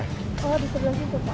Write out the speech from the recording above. oh di sebelah situ pak